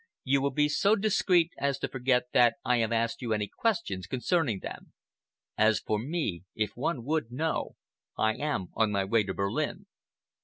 You will be so discreet as to forget that I have asked you any questions concerning them. As for me, if one would know, I am on my way to Berlin."